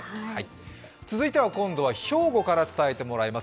続いては兵庫から伝えてもらいます。